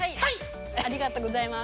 ありがとうございます。